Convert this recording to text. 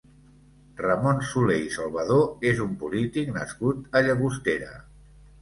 Ramon Soler i Salvadó és un polític nascut a Llagostera.